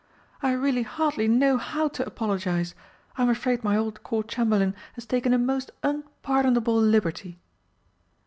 "I really hardly know how to apologise. I'm afraid my old Court Chamberlain has taken a most unpardonable liberty."